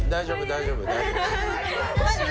大丈夫よ大丈夫？